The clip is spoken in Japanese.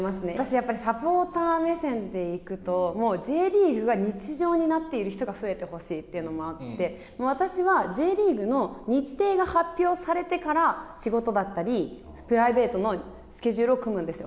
やっぱりサポーター目線で行くと、Ｊリーグが日常になっている人が増えてほしいというのもあって私は、Ｊリーグの日程が発表されてから仕事だったり、プライベートのスケジュールを組むんですよ。